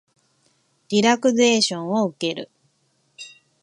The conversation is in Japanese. リラクゼーションを受ける